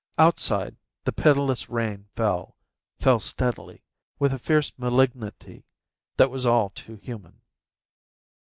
Outside, the pitiless rain fell, fell steadily, with a fierce malignity that was all too human.